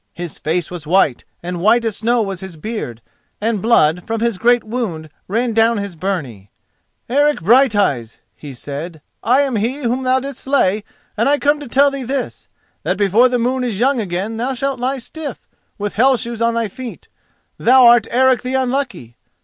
His face was white, and white as snow was his beard, and blood from his great wound ran down his byrnie. 'Eric Brighteyes,' he said, 'I am he whom thou didst slay, and I come to tell thee this: that before the moon is young again thou shalt lie stiff, with Hell shoes on thy feet. Thou art Eric the Unlucky!